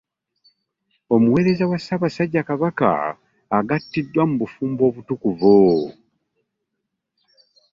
Omuweereza wa ssaabasajja Kabaka agattiddwa mu bufumbo obutukuvu